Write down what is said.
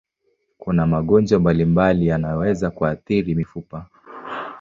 Kuna magonjwa mbalimbali yanayoweza kuathiri mifupa.